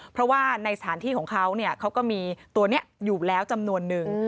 เพราะว่าในสถานที่ของเขาเขาก็มีตัวนี้อยู่แล้วจำนวนนึง